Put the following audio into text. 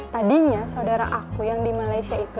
tadinya saudara aku yang di malaysia itu